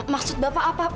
maksud bapak apa